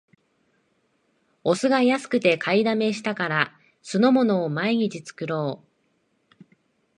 お酢が安くて買いだめしたから、酢の物を毎日作ろう